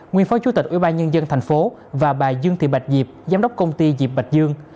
nguyên phó chủ tịch ubnd tp và bà dương thị bạch diệp giám đốc công ty diệp bạch dương